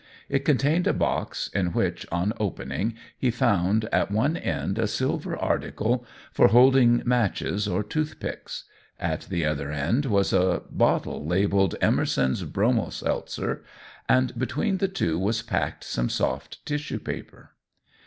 It contained a box, in which, on opening, he found at one end a silver article for holding matches or toothpicks; at the other end was a bottle labelled "Emerson's Bromo seltzer," and between the two was packed some soft tissue paper.